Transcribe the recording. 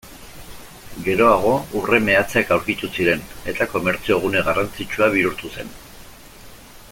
Geroago, urre-meatzeak aurkitu ziren, eta komertzio-gune garrantzitsua bihurtu zen.